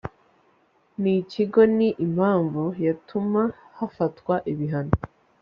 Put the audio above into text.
n ikigo ni impamvu yatuma hafatwa ibihano